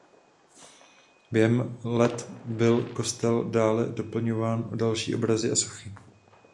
Během let byl kostel dále doplňován o další obrazy a sochy.